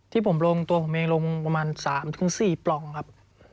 ที่ผมลงตัวผมเองลงประมาณ๓๔ปล่องครับ